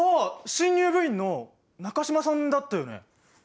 新入部員の中島さんだったよね？